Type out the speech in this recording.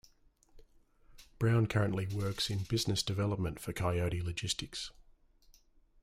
Brown currently works in business development for Coyote Logistics.